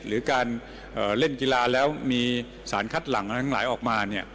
หรือการเล่นกีฬาแล้วมีสารคัดหลังทั้งหลายออกมา